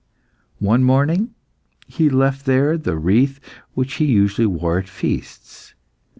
One morning he left there the wreath which he usually wore at feasts.